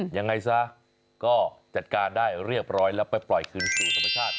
ยังไงซะก็จัดการได้เรียบร้อยแล้วไปปล่อยคืนสู่ธรรมชาติ